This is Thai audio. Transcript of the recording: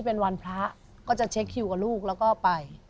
เป็นวันพระก็จะเช็คคิวกับลูกแล้วก็ไป